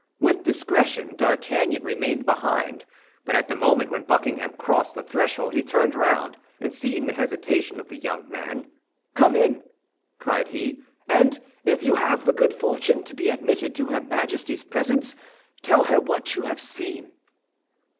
With discretion D'Artagnan remained behind; but at the moment when Buckingham crossed the threshold, he turned round, and seeing the hesitation of the young man, "Come in!" cried he, "and if you have the good fortune to be admitted to her Majesty's presence, tell her what you have seen."